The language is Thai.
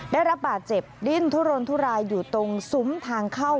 ได้รับบาดเจ็บดิ้นทุรนทุรายอยู่ตรงซุ้มทางเข้า